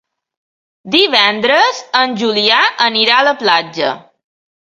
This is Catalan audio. Divendres en Julià anirà a la platja.